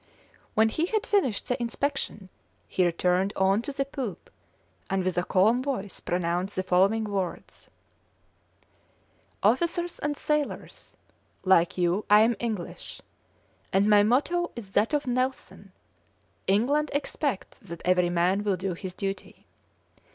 When he had finished the inspection, he returned on to the poop, and with a calm voice pronounced the following words: "Officers and sailors, like you, I am English, and my motto is that of Nelson, 'England expects that every man will do his duty.'